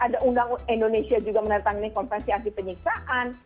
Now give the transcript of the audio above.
ada undang indonesia juga menerima konfesi anti penyiksaan